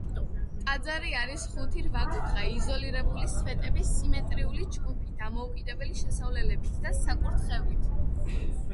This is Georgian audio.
ტაძარი არის ხუთი რვაკუთხა, იზოლირებული სვეტების სიმეტრიული ჯგუფი, დამოუკიდებელი შესასვლელებით და საკურთხევლით.